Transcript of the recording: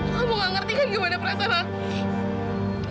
kamu nggak ngerti kan gimana perasaan aku